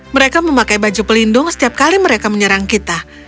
mereka memakai baju pelindung setiap kali mereka menyerang kita